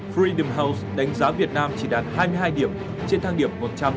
freedom house đánh giá việt nam chỉ đạt hai mươi hai điểm trên thang điểm một trăm linh